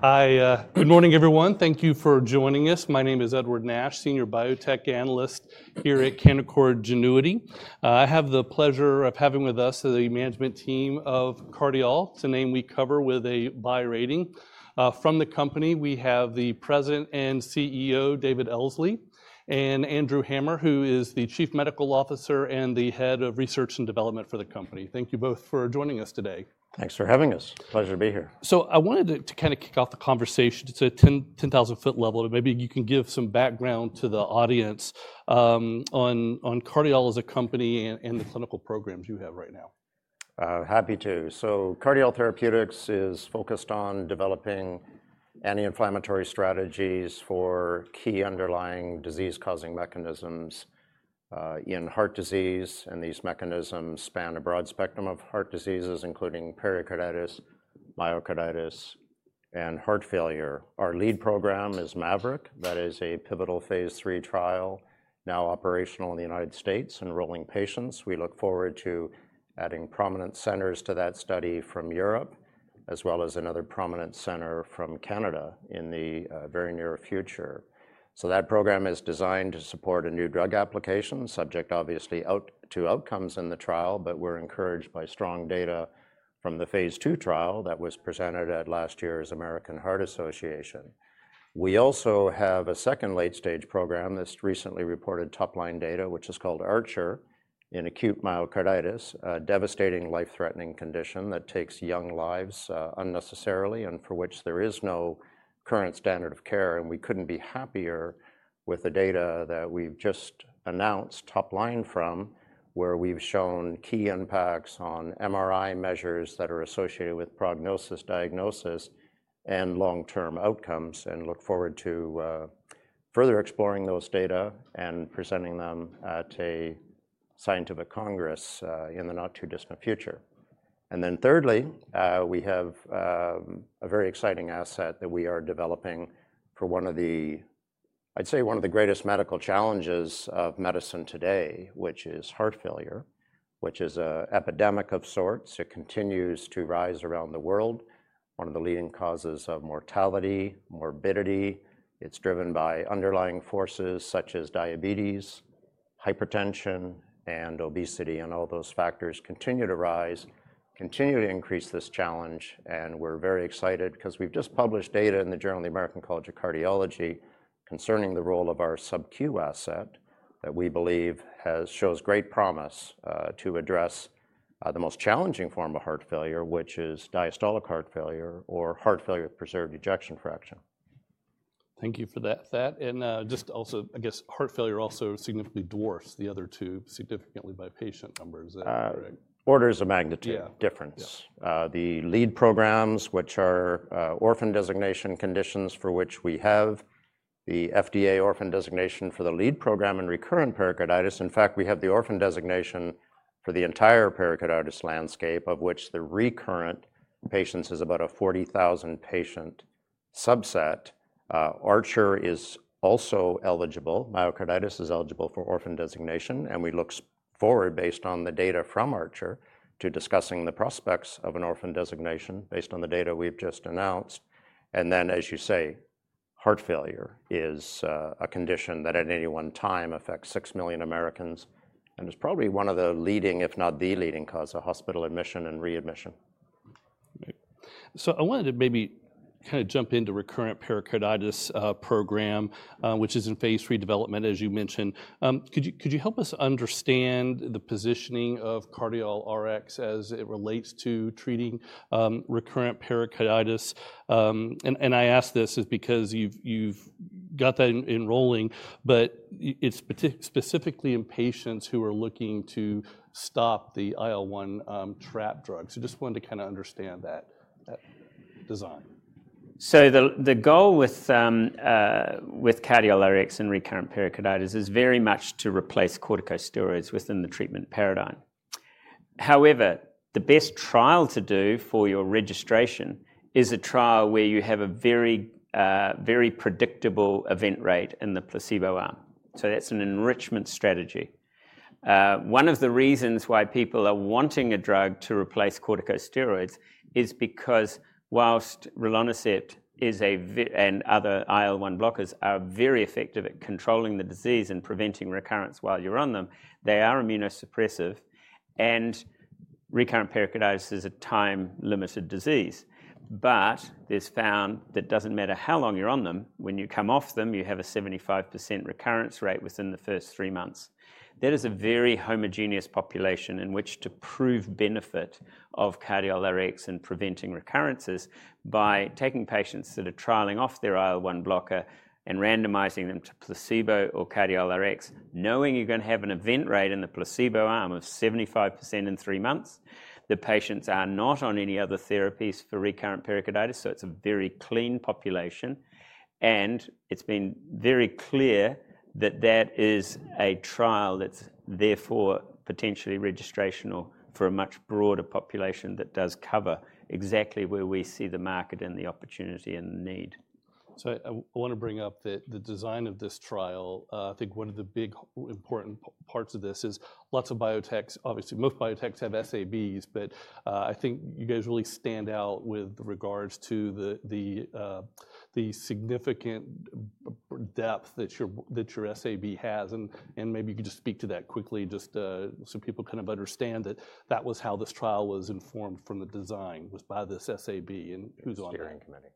Hi, good morning everyone. Thank you for joining us. My name is Edward Nash, Senior Biotech Analyst here at Canaccord Genuity. I have the pleasure of having with us the management team of Cardiol. It's a name we cover with a buy rating. From the company, we have the President and CEO, David Elsley, and Dr. Andrew Hamer, who is the Chief Medical Officer and the Head of Research and Development for the company. Thank you both for joining us today. Thanks for having us. Pleasure to be here. I wanted to kind of kick off the conversation at a 10,000-foot level, but maybe you can give some background to the audience on Cardiol as a company and the clinical programs you have right now. Happy to. Cardiol Therapeutics is focused on developing anti-inflammatory strategies for key underlying disease-causing mechanisms in heart disease, and these mechanisms span a broad spectrum of heart diseases, including pericarditis, myocarditis, and heart failure. Our lead program is MAVRIC, that is a pivotal Phase III trial now operational in the United States enrolling patients. We look forward to adding prominent centers to that study from Europe, as well as another prominent center from Canada in the very near future. That program is designed to support a new drug application, subject obviously to outcomes in the trial, but we're encouraged by strong data from the Phase II trial that was presented at last year's American Heart Association. We also have a second late-stage program that's recently reported top-line data, which is called ARCHER, in acute myocarditis, a devastating life-threatening condition that takes young lives unnecessarily and for which there is no current standard of care. We couldn't be happier with the data that we've just announced top-line from, where we've shown key impacts on MRI-based measures that are associated with prognosis, diagnosis, and long-term outcomes. We look forward to further exploring those data and presenting them at a scientific congress in the not-too-distant future. Thirdly, we have a very exciting asset that we are developing for one of the, I'd say one of the greatest medical challenges of medicine today, which is heart failure, which is an epidemic of sorts. It continues to rise around the world, one of the leading causes of mortality, morbidity. It's driven by underlying forces such as diabetes, hypertension, and obesity, and all those factors continue to rise, continue to increase this challenge. We're very excited because we've just published data in the Journal of the American College of Cardiology concerning the role of our sub-Q asset that we believe shows great promise to address the most challenging form of heart failure, which is diastolic heart failure or heart failure with preserved ejection fraction. Thank you for that. I guess heart failure also significantly dwarfs the other two significantly by patient numbers. Orders of magnitude difference. The lead programs, which are orphan designation conditions for which we have the FDA orphan designation for the lead program in recurrent pericarditis. In fact, we have the orphan designation for the entire pericarditis landscape of which the recurrent patients is about a 40,000 patient subset. ARCHER is also eligible. Myocarditis is eligible for orphan designation, and we look forward, based on the data from ARCHER, to discussing the prospects of an orphan designation based on the data we've just announced. Heart failure is a condition that at any one time affects 6 million Americans and is probably one of the leading, if not the leading, cause of hospital admission and readmission. I wanted to maybe kind of jump into the recurrent pericarditis program, which is in Phase III development, as you mentioned. Could you help us understand the positioning of CardiolRx™ as it relates to treating recurrent pericarditis? I ask this because you've got that enrolling, but it's specifically in patients who are looking to stop the IL-1 trap drug. I just wanted to kind of understand that design. The goal with CardiolRx™ in recurrent pericarditis is very much to replace corticosteroids within the treatment paradigm. However, the best trial to do for your registration is a trial where you have a very predictable event rate in the placebo arm. That is an enrichment strategy. One of the reasons why people are wanting a drug to replace corticosteroids is because whilst Rilonazepam and other IL-1 inhibitors are very effective at controlling the disease and preventing recurrence while you're on them, they are immunosuppressive. Recurrent pericarditis is a time-limited disease, but it's found that it doesn't matter how long you're on them, when you come off them, you have a 75% recurrence rate within the first three months. That is a very homogeneous population in which to prove benefit of CardiolRx™ in preventing recurrences by taking patients that are trialing off their IL-1 inhibitor and randomizing them to placebo or CardiolRx™, knowing you're going to have an event rate in the placebo arm of 75% in three months. The patients are not on any other therapies for recurrent pericarditis, so it's a very clean population. It has been very clear that that is a trial that's therefore potentially registrational for a much broader population that does cover exactly where we see the market and the opportunity and the need. I want to bring up the design of this trial. I think one of the big important parts of this is lots of biotechs, obviously most biotechs have SAB, but I think you guys really stand out with regards to the significant depth that your SAB has. Maybe you could just speak to that quickly just so people kind of understand that that was how this trial was informed from the design was by this SAB and who's on it. Chairing committee.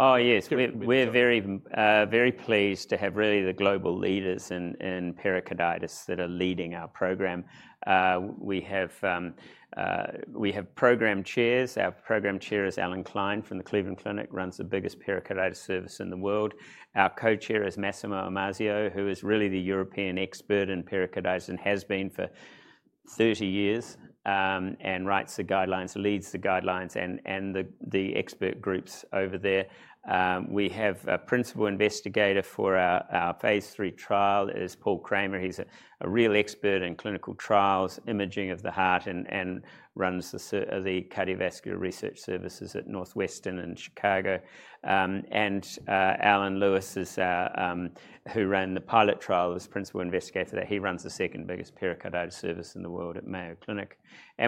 Oh yes, we're very pleased to have really the global leaders in pericarditis that are leading our program. We have Program Chairs. Our Program Chair is Dr. Allan Klein from Cleveland Clinic, runs the biggest pericarditis service in the world. Our Co-Chair is Dr. Massimo Imazio, who is really the European expert in pericarditis and has been for 30 years and writes the guidelines, leads the guidelines, and the expert groups over there. We have a Principal Investigator for our Phase III trial is Dr. Paul Cremer. He's a real expert in clinical trials, imaging of the heart, and runs the cardiovascular research services at Northwestern University in Chicago. Dr. Allan Lewis, who ran the pilot trial, is Principal Investigator for that. He runs the second biggest pericarditis service in the world at Mayo Clinic.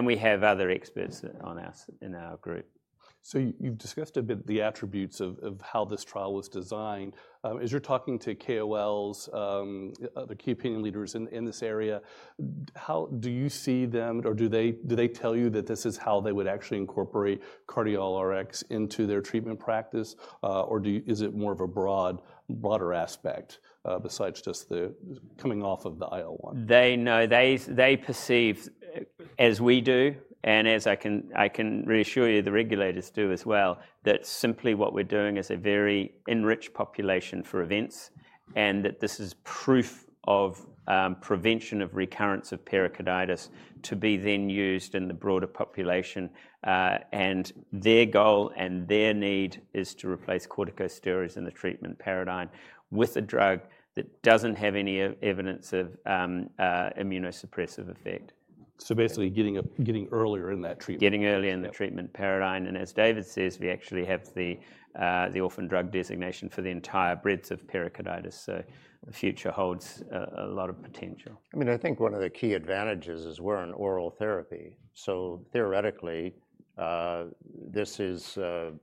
We have other experts in our group. You've discussed a bit of the attributes of how this trial was designed. As you're talking to KOLs, the key opinion leaders in this area, how do you see them or do they tell you that this is how they would actually incorporate CardiolRx™ into their treatment practice? Or is it more of a broader aspect besides just the coming off of the IL-1? They perceive, as we do, and as I can reassure you, the regulators do as well, that simply what we're doing is a very enriched population for events, and that this is proof of prevention of recurrence of pericarditis to be then used in the broader population. Their goal and their need is to replace corticosteroids in the treatment paradigm with a drug that doesn't have any evidence of immunosuppressive effect. Basically getting earlier in that treatment. Getting early in the treatment paradigm. As David says, we actually have the orphan drug designation for the entire breadth of pericarditis. The future holds a lot of potential. I think one of the key advantages is we're an oral therapy. Theoretically, this is a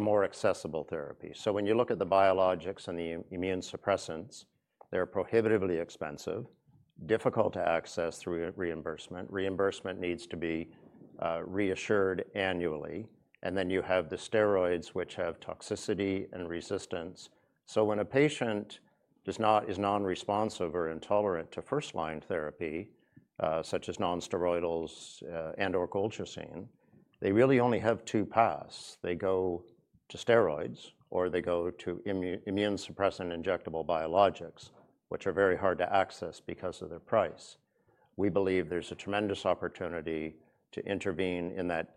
more accessible therapy. When you look at the biologics and the immune suppressants, they're prohibitively expensive and difficult to access through reimbursement. Reimbursement needs to be reassured annually. You have the steroids, which have toxicity and resistance. When a patient is non-responsive or intolerant to first-line therapy, such as non-steroidals and/or colchicine, they really only have two paths. They go to steroids or they go to immune suppressant injectable biologics, which are very hard to access because of their price. We believe there's a tremendous opportunity to intervene in that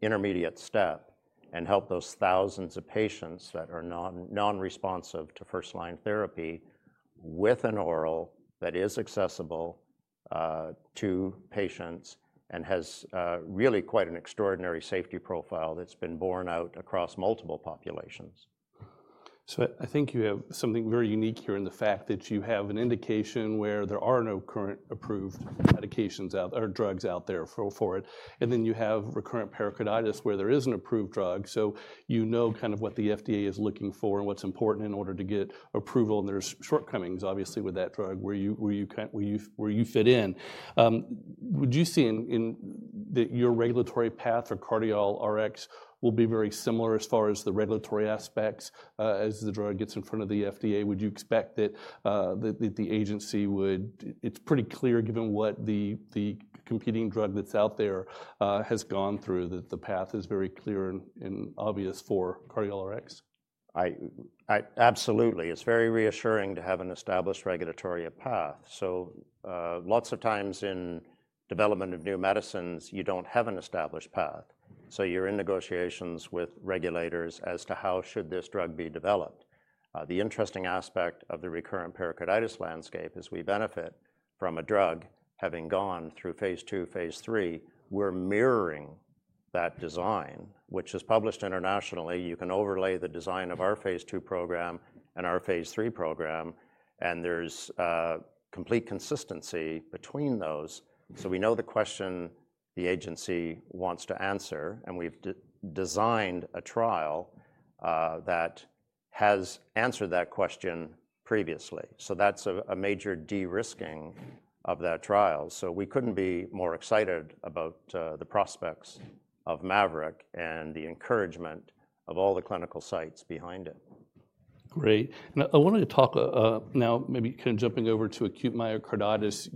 intermediate step and help those thousands of patients that are non-responsive to first-line therapy with an oral that is accessible to patients and has really quite an extraordinary safety profile that's been borne out across multiple populations. I think you have something very unique here in the fact that you have an indication where there are no current approved medications or drugs out there for it. You have recurrent pericarditis where there is an approved drug, so you know kind of what the FDA is looking for and what's important in order to get approval. There are shortcomings, obviously, with that drug where you fit in. Would you see that your regulatory path for CardiolRx™ will be very similar as far as the regulatory aspects as the drug gets in front of the FDA? Would you expect that the agency would, it's pretty clear given what the competing drug that's out there has gone through, that the path is very clear and obvious for CardiolRx™? Absolutely. It's very reassuring to have an established regulatory path. Lots of times in development of new medicines, you don't have an established path, so you're in negotiations with regulators as to how should this drug be developed. The interesting aspect of the recurrent pericarditis landscape is we benefit from a drug having gone through Phase II, Phase III. We're mirroring that design, which is published internationally. You can overlay the design of our Phase II program and our Phase III program, and there's complete consistency between those. We know the question the agency wants to answer, and we've designed a trial that has answered that question previously. That's a major de-risking of that trial. We couldn't be more excited about the prospects of MAVRIC and the encouragement of all the clinical sites behind it. Great. Now I wanted to talk now, maybe kind of jumping over to acute myocarditis,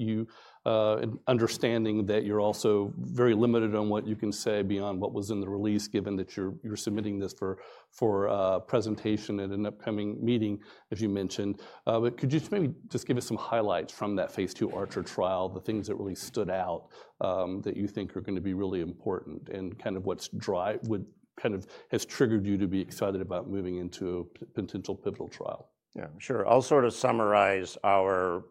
you understanding that you're also very limited on what you can say beyond what was in the release, given that you're submitting this for presentation at an upcoming meeting, as you mentioned. Could you maybe just give us some highlights from that Phase II ARCHER trial, the things that really stood out that you think are going to be really important and kind of what's driving, what kind of has triggered you to be excited about moving into a potential pivotal trial? Yeah, sure. I'll sort of summarize our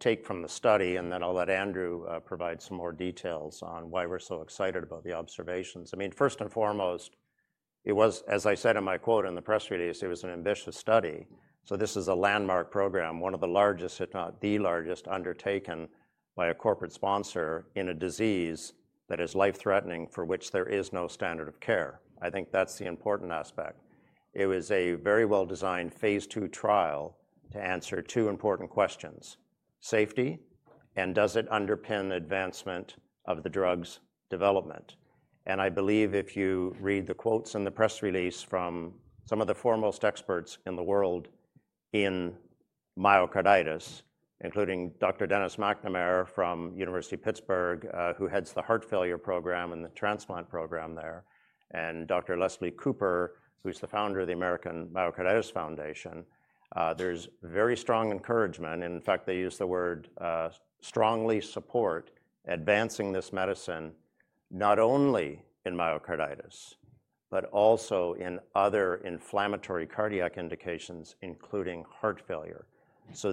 take from the study, and then I'll let Andrew provide some more details on why we're so excited about the observations. First and foremost, it was, as I said in my quote in the press release, an ambitious study. This is a landmark program, one of the largest, if not the largest, undertaken by a corporate sponsor in a disease that is life-threatening, for which there is no standard of care. I think that's the important aspect. It was a very well-designed Phase II trial to answer two important questions: safety, and does it underpin the advancement of the drug's development? I believe if you read the quotes in the press release from some of the foremost experts in the world in myocarditis, including Dr. Dennis McNamara from the University of Pittsburgh, who heads the heart failure program and the transplant program there, and Dr. Leslie Cooper, who's the founder of the American Myocarditis Foundation, there's very strong encouragement. In fact, they use the word strongly support advancing this medicine not only in myocarditis, but also in other inflammatory cardiac indications, including heart failure.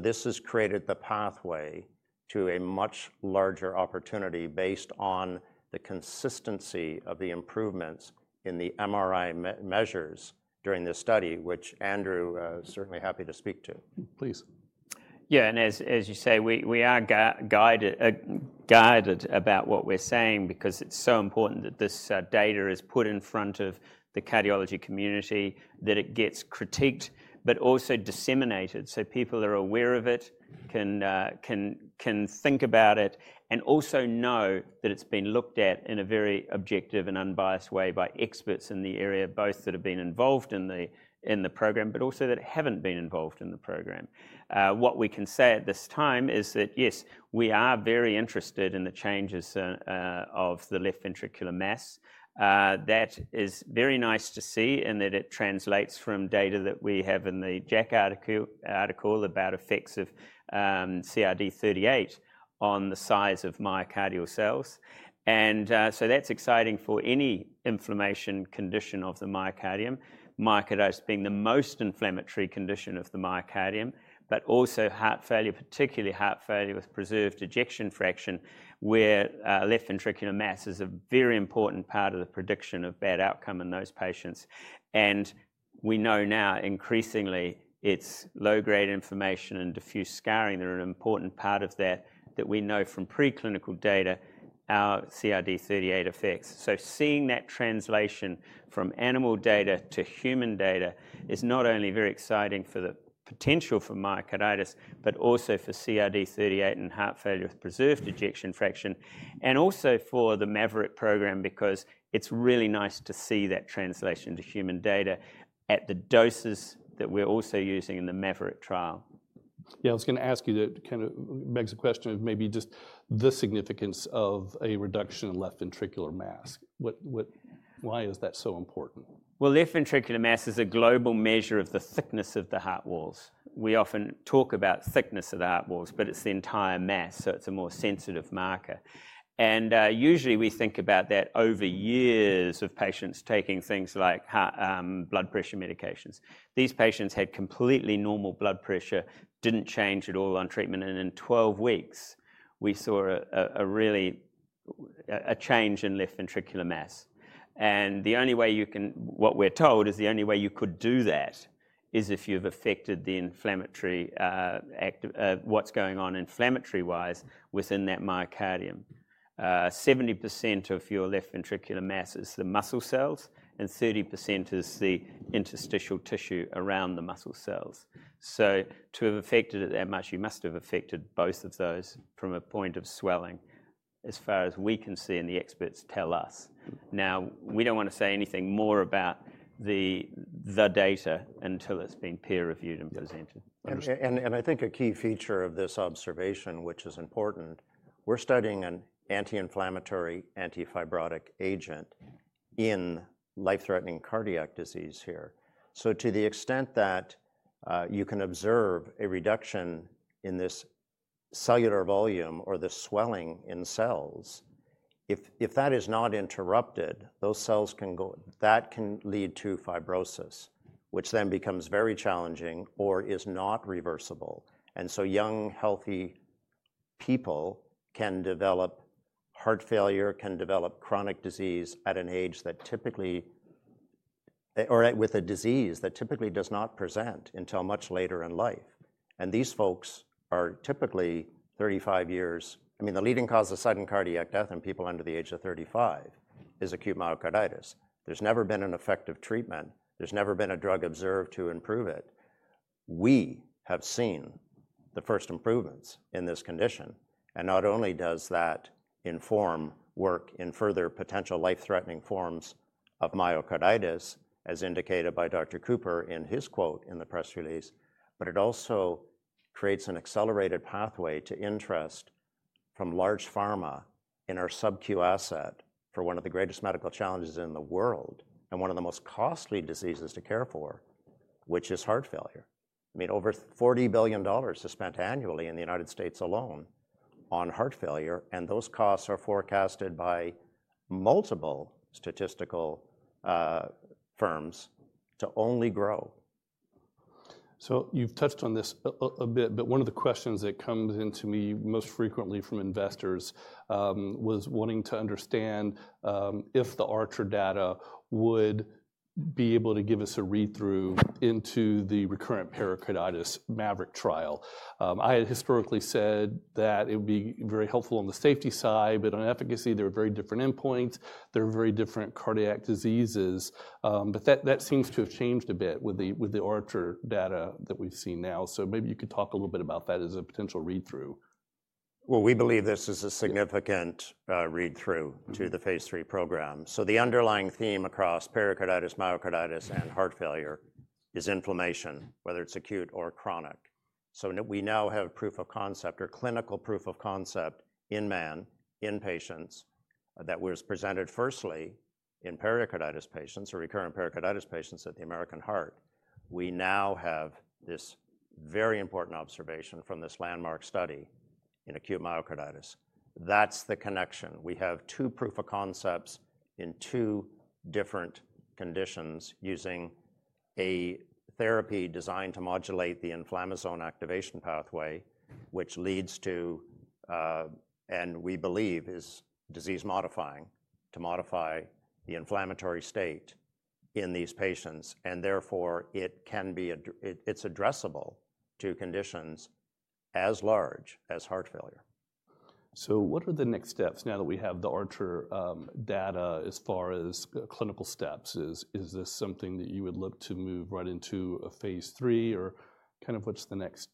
This has created the pathway to a much larger opportunity based on the consistency of the improvements in the MRI-based measures during this study, which Andrew is certainly happy to speak to. Please. Yeah, and as you say, we are guided about what we're saying because it's so important that this data is put in front of the cardiology community, that it gets critiqued, but also disseminated so people are aware of it, can think about it, and also know that it's been looked at in a very objective and unbiased way by experts in the area, both that have been involved in the program, but also that haven't been involved in the program. What we can say at this time is that yes, we are very interested in the changes of the left ventricular mass. That is very nice to see and that it translates from data that we have in the JACC article about effects of CRD-38 on the size of myocardial cells. That's exciting for any inflammation condition of the myocardium, myocarditis being the most inflammatory condition of the myocardium, but also heart failure, particularly heart failure with preserved ejection fraction, where left ventricular mass is a very important part of the prediction of bad outcome in those patients. We know now increasingly it's low-grade inflammation and diffuse scarring that are an important part of that, that we know from preclinical data our CRD-38 effects. Seeing that translation from animal data to human data is not only very exciting for the potential for myocarditis, but also for CRD-38 and heart failure with preserved ejection fraction, and also for the MAVRIC program because it's really nice to see that translation to human data at the doses that we're also using in the MAVRIC trial. Yeah, I was going to ask you to kind of beg the question of maybe just the significance of a reduction in left ventricular mass. Why is that so important? Left ventricular mass is a global measure of the thickness of the heart walls. We often talk about thickness of the heart walls, but it's the entire mass, so it's a more sensitive marker. Usually we think about that over years of patients taking things like blood pressure medications. These patients had completely normal blood pressure, didn't change at all on treatment, and in 12 weeks we saw a real change in left ventricular mass. The only way you can, what we're told is the only way you could do that is if you've affected the inflammatory, what's going on inflammatory-wise within that myocardium. 70% of your left ventricular mass is the muscle cells and 30% is the interstitial tissue around the muscle cells. To have affected it that much, you must have affected both of those from a point of swelling as far as we can see and the experts tell us. We don't want to say anything more about the data until it's been peer-reviewed and presented. I think a key feature of this observation, which is important, we're studying an anti-inflammatory, antifibrotic agent in life-threatening cardiac disease here. To the extent that you can observe a reduction in this cellular volume or the swelling in cells, if that is not interrupted, those cells can go, that can lead to fibrosis, which then becomes very challenging or is not reversible. Young, healthy people can develop heart failure, can develop chronic disease at an age that typically, or with a disease that typically does not present until much later in life. These folks are typically 35 years. The leading cause of sudden cardiac death in people under the age of 35 is acute myocarditis. There's never been an effective treatment. There's never been a drug observed to improve it. We have seen the first improvements in this condition. Not only does that inform work in further potential life-threatening forms of myocarditis, as indicated by Dr. Cooper in his quote in the press release, it also creates an accelerated pathway to interest from large pharma in our sub-Q asset for one of the greatest medical challenges in the world and one of the most costly diseases to care for, which is heart failure. Over $40 billion is spent annually in the United States alone on heart failure, and those costs are forecasted by multiple statistical firms to only grow. You've touched on this a bit, but one of the questions that comes into me most frequently from investors was wanting to understand if the ARCHER data would be able to give us a read-through into the recurrent pericarditis MAVRIC trial. I had historically said that it would be very helpful on the safety side, but on efficacy, there are very different endpoints. There are very different cardiac diseases. That seems to have changed a bit with the ARCHER data that we've seen now. Maybe you could talk a little bit about that as a potential read-through. This is a significant read-through to the Phase III program. The underlying theme across pericarditis, myocarditis, and heart failure is inflammation, whether it's acute or chronic. We now have proof of concept or clinical proof of concept in men, in patients that was presented firstly in pericarditis patients or recurrent pericarditis patients at the American Heart. We now have this very important observation from this landmark study in acute myocarditis. That's the connection. We have two proof of concepts in two different conditions using a therapy designed to modulate the inflammasome activation pathway, which leads to, and we believe is disease-modifying to modify the inflammatory state in these patients. Therefore, it can be, it's addressable to conditions as large as heart failure. What are the next steps now that we have the ARCHER data as far as clinical steps? Is this something that you would look to move right into a Phase III or kind of what's the next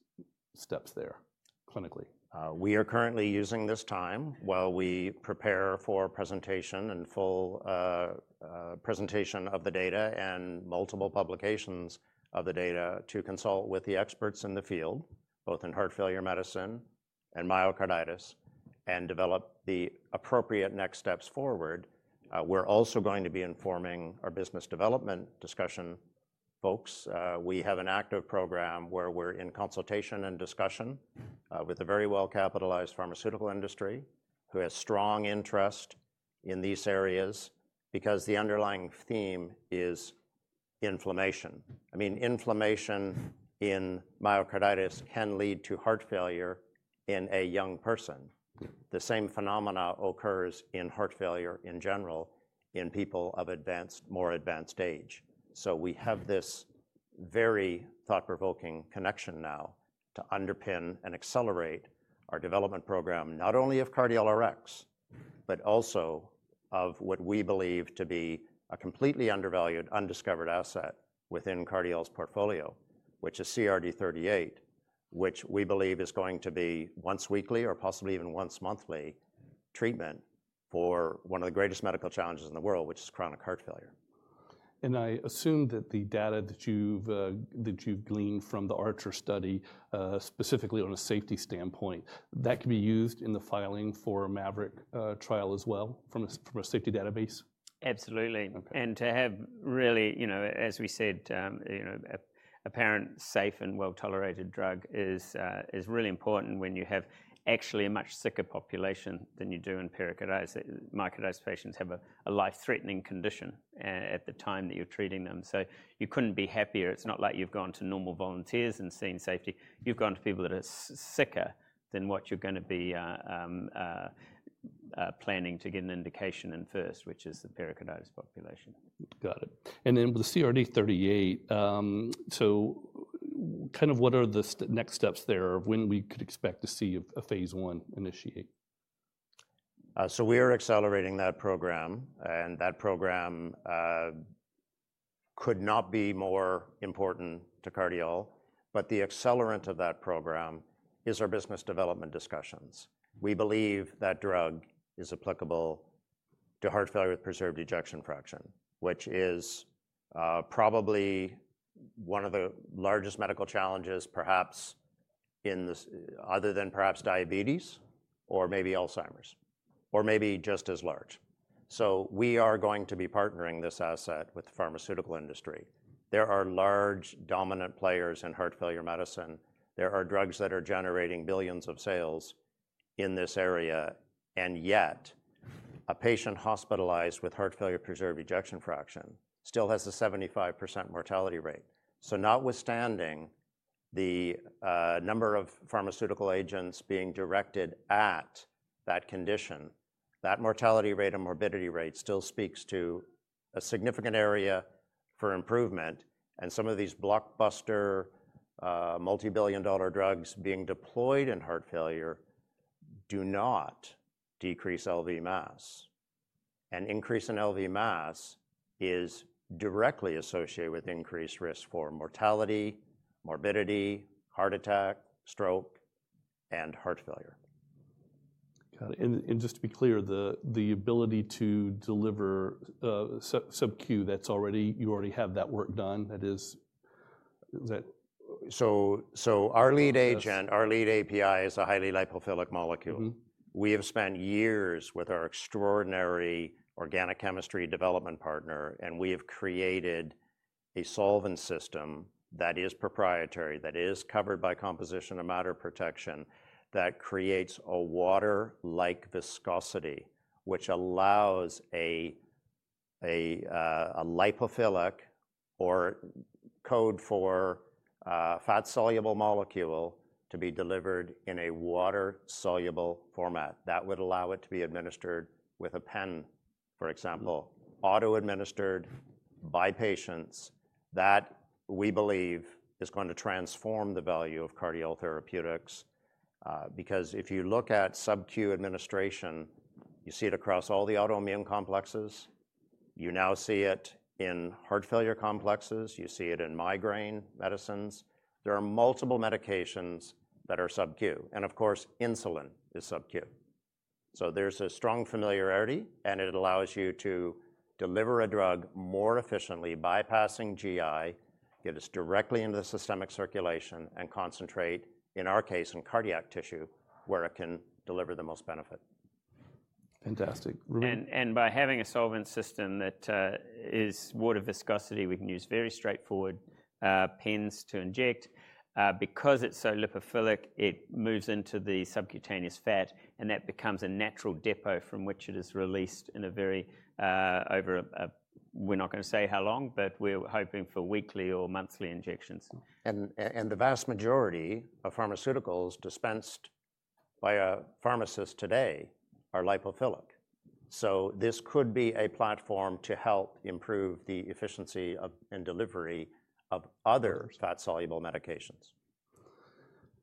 steps there clinically? We are currently using this time while we prepare for presentation and full presentation of the data and multiple publications of the data to consult with the experts in the field, both in heart failure medicine and myocarditis, and develop the appropriate next steps forward. We're also going to be informing our business development discussion folks. We have an active program where we're in consultation and discussion with a very well-capitalized pharmaceutical industry who has strong interest in these areas because the underlying theme is inflammation. Inflammation in myocarditis can lead to heart failure in a young person. The same phenomena occurs in heart failure in general in people of more advanced age. We have this very thought-provoking connection now to underpin and accelerate our development program, not only of CardiolRx™, but also of what we believe to be a completely undervalued, undiscovered asset within Cardiol's portfolio, which is CRD-38, which we believe is going to be once weekly or possibly even once monthly treatment for one of the greatest medical challenges in the world, which is chronic heart failure. I assume that the data that you've gleaned from the ARCHER study, specifically on a safety standpoint, that can be used in the filing for a MAVRIC trial as well from a safety database? Absolutely. To have really, you know, as we said, you know, a parent safe and well-tolerated drug is really important when you have actually a much sicker population than you do in pericarditis. Myocarditis patients have a life-threatening condition at the time that you're treating them. You couldn't be happier. It's not like you've gone to normal volunteers and seen safety. You've gone to people that are sicker than what you're going to be planning to get an indication in first, which is the pericarditis population. Got it. With the CRD-38, what are the next steps there of when we could expect to see a Phase I initiate? We are accelerating that program, and that program could not be more important to Cardiol, but the accelerant of that program is our business development discussions. We believe that drug is applicable to heart failure with preserved ejection fraction, which is probably one of the largest medical challenges, perhaps other than perhaps diabetes or maybe Alzheimer's, or maybe just as large. We are going to be partnering this asset with the pharmaceutical industry. There are large dominant players in heart failure medicine. There are drugs that are generating billions of sales in this area, and yet a patient hospitalized with heart failure with preserved ejection fraction still has a 75% mortality rate. Notwithstanding the number of pharmaceutical agents being directed at that condition, that mortality rate and morbidity rate still speaks to a significant area for improvement. Some of these blockbuster, multi-billion dollar drugs being deployed in heart failure do not decrease left ventricular mass. An increase in left ventricular mass is directly associated with increased risk for mortality, morbidity, heart attack, stroke, and heart failure. To be clear, the ability to deliver sub-Q, you already have that work done. Our lead agent, our lead API is a highly lipophilic molecule. We have spent years with our extraordinary organic chemistry development partner, and we have created a solvent system that is proprietary, that is covered by composition of matter protection, that creates a water-like viscosity, which allows a lipophilic or code for fat soluble molecule to be delivered in a water-soluble format. That would allow it to be administered with a pen, for example, auto-administered by patients. We believe that is going to transform the value of Cardiol Therapeutics because if you look at sub-Q administration, you see it across all the autoimmune complexes. You now see it in heart failure complexes. You see it in migraine medicines. There are multiple medications that are sub-Q. Of course, insulin is sub-Q. There is a strong familiarity, and it allows you to deliver a drug more efficiently, bypassing GI, get it directly into the systemic circulation and concentrate, in our case, in cardiac tissue, where it can deliver the most benefit. Fantastic. By having a solvent system that is water viscosity, we can use very straightforward pens to inject. Because it's so lipophilic, it moves into the subcutaneous fat, and that becomes a natural depot from which it is released in a very, over, we're not going to say how long, but we're hoping for weekly or monthly injections. The vast majority of pharmaceuticals dispensed by a pharmacist today are lipophilic. This could be a platform to help improve the efficiency in delivery of other fat-soluble medications.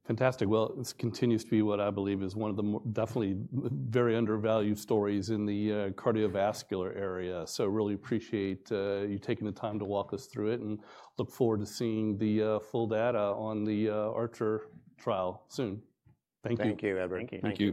Fantastic. This continues to be what I believe is one of the definitely very undervalued stories in the cardiovascular area. I really appreciate you taking the time to walk us through it and look forward to seeing the full data on the ARCHER trial soon. Thank you. Thank you, Edward. Thank you.